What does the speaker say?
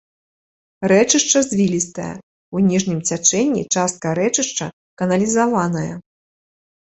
Рэчышча звілістае, у ніжнім цячэнні частка рэчышча каналізаваная.